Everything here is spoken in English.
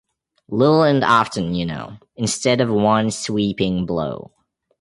Little and often, you know, instead of one sweeping blow.